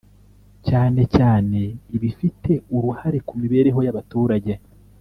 cyane cyane ibifite uruhare ku mibereho y’abaturage